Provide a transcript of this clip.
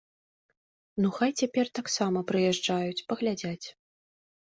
Ну хай цяпер таксама прыязджаюць, паглядзяць.